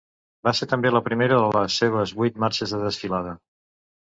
Va ser també la primera de les seves vuit marxes de desfilada.